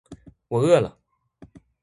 我饿了